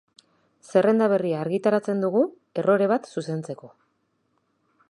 Zerrenda berria argitaratzen dugu errore bat zuzentzeko.